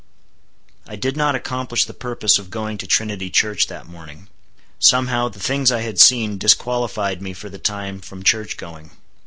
I did not accomplish the purpose of going to Trinity Church that morning. Somehow, the things I had seen disqualified me for the time from church going.